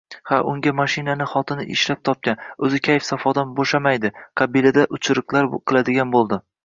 Ha, unga mashinani xotini ishlab topgan, oʼzi kayf-safodan boʼshamaydi», qabilida uchiriqlar qiladigan boʼldi.